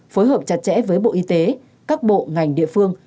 phối hợp chặt chẽ với bộ y tế các bộ ngành địa phương